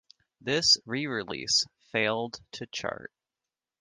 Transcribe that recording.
This re-release failed to chart.